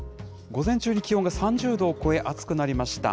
午前中に気温が３０度を超え、暑くなりました。